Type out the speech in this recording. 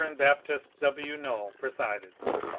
Baptist W. Noel presided.